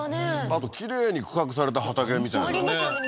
あときれいに区画された畑みたいなありますね